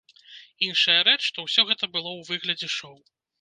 Іншая рэч, што ўсё гэта было ў выглядзе шоу.